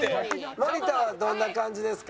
森田はどんな感じですか？